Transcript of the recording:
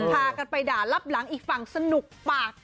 พากันไปด่ารับหลังอีกฝั่งสนุกปาก